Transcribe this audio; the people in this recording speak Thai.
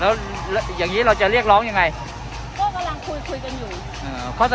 แล้วอย่างงี้เราจะเรียกร้องยังไงก็กำลังคุยคุยกันอยู่อ่า